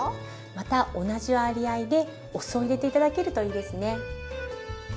また同じ割合でお酢を入れて頂けるといいですね。